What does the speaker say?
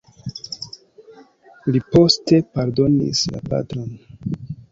Li poste pardonis la patron.